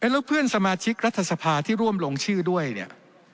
แล้วเพื่อนสมาชิกรัฐสภาที่ร่วมลงชื่อด้วยเนี่ย